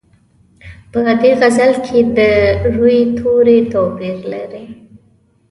په دې غزل کې د روي توري توپیر لري.